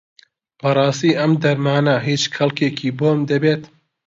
بەڕاستی ئەم دەرمانە هیچ کەڵکێکی بۆم دەبێت؟